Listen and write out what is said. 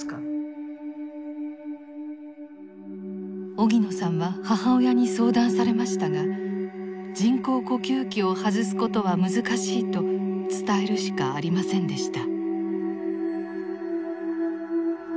荻野さんは母親に相談されましたが人工呼吸器を外すことは難しいと伝えるしかありませんでした。